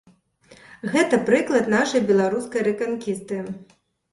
Гэта прыклад нашай беларускай рэканкісты.